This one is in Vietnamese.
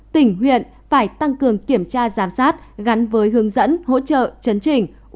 tỉnh huyện phải tăng cường kiểm tra giám sát gắn với hướng dẫn hỗ trợ chấn trình